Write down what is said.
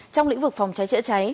trong lĩnh vực phòng cháy chữa cháy